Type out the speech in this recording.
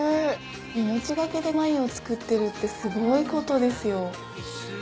命懸けで繭を作ってるってすごいことですよ。